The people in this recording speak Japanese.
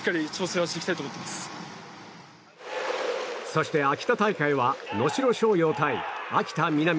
そして、秋田大会は能代松陽対秋田南。